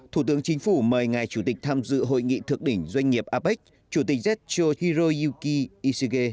thủ tướng chính phủ mời ngài chủ tịch tham dự hội nghị thượng đỉnh doanh nghiệp apec chủ tịch zetro hiroyuki ishige